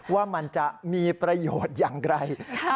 ว่ามันจะมีประโยชน์อย่างไร